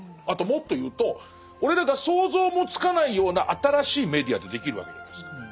あともっと言うと俺らが想像もつかないような新しいメディアってできるわけじゃないですか。